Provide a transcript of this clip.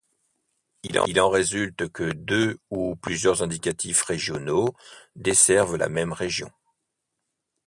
Il en résulte que deux ou plusieurs indicatifs régionaux desservent la même région.